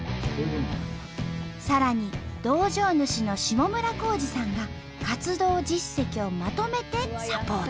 さらに道場主の下村康氏さんが活動実績をまとめてサポート。